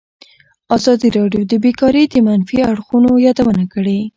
ازادي راډیو د بیکاري د منفي اړخونو یادونه کړې.